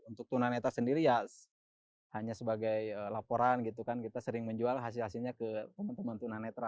untuk tunanetra sendiri ya hanya sebagai laporan gitu kan kita sering menjual hasil hasilnya ke teman teman tunanetra